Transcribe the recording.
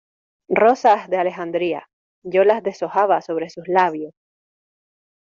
¡ rosas de Alejandría, yo las deshojaba sobre sus labios!